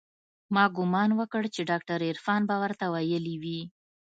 ما ګومان وکړ چې ډاکتر عرفان به ورته ويلي وي.